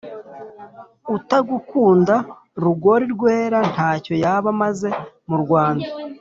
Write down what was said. Utagukunda Rugori rweraNtacyo yaba amaze mu Rwanda